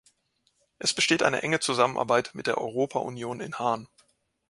Es besteht eine enge Zusammenarbeit mit der Europaunion in Haan.